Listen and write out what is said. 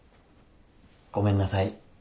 ごめんなさい。